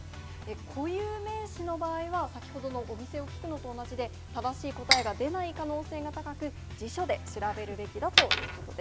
固有名詞の場合は、先ほどのお店を聞くのと同じで、正しい答えが出ない可能性が高く、辞書で調べるべきだということです。